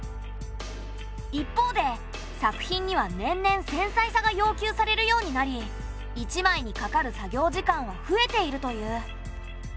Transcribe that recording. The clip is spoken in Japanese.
一方で作品には年々繊細さが要求されるようになり１枚にかかる作業時間は増えているという。